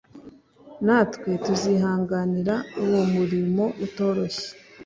natwe tuzihanganira uwo murimo utoroshye